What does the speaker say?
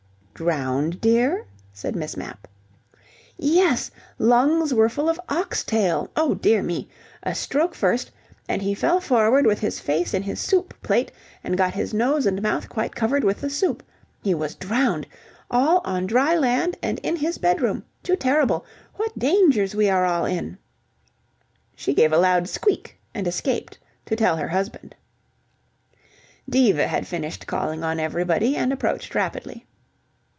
"Drowned, dear?" said Miss Mapp. "Yes. Lungs were full of ox tail, oh, dear me! A stroke first, and he fell forward with his face in his soup plate and got his nose and mouth quite covered with the soup. He was drowned. All on dry land and in his bedroom. Too terrible. What dangers we are all in!" She gave a loud squeak and escaped, to tell her husband. Diva had finished calling on everybody, and approached rapidly.